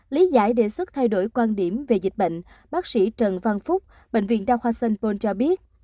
lý giải đề xuất thay đổi quan điểm về dịch bệnh bác sĩ trần văn phúc bệnh viện đa khoa sanpon cho biết